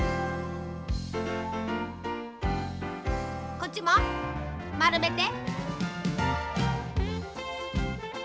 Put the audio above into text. こっちもまるめて。